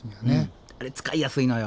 あれ使いやすいのよ。